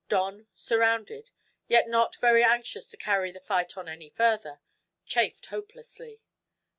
Don, surrounded, yet not very anxious to carry the fight on any further, chafed hopelessly.